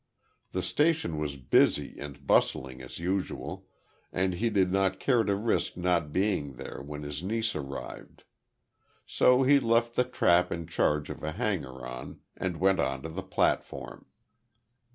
The station was busy and bustling as usual, and he did not care to risk not being there when his niece arrived. So he left the trap in charge of a hanger on and went on to the platform.